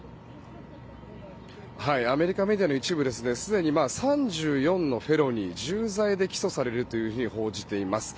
アメリカメディアの一部はすでに３４のフェロニー重罪で起訴されると報じています。